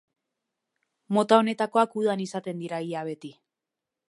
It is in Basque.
Mota honetakoak udan izaten dira ia beti.